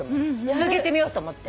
続けてみようと思って。